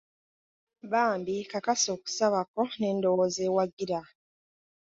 Bambi kakasa okusaba kwo n'endowooza ewagira.